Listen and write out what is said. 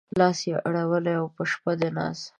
لاس يې اړولی و په شپه د ناز